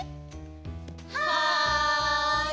はい！